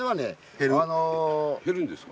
減るんですか？